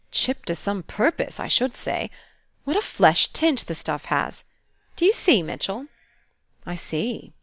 "Chipped to some purpose, I should say. What a flesh tint the stuff has! Do you see, Mitchell?" "I see."